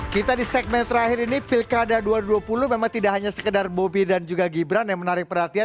kita di segmen terakhir ini pilkada dua ribu dua puluh memang tidak hanya sekedar bobi dan juga gibran yang menarik perhatian